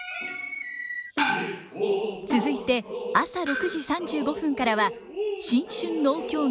続いて朝６時３５分からは新春能狂言。